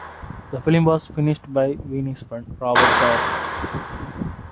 The film was finished by Wiene's friend Robert Siodmak.